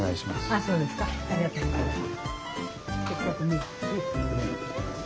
あそうですか。ありがとうございます。